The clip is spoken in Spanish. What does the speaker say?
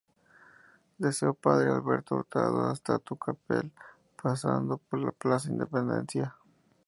Desde Padre Alberto Hurtado hasta Tucapel pasando por la Plaza Independencia.